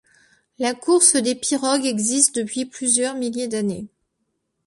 La course des pirogues existe depuis plusieurs milliers d’années.